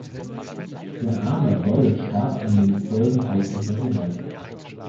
Der arme Bolle starb an den Folgen häuslicher Gewalt.